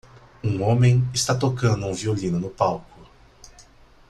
Um homem está tocando um violino no palco.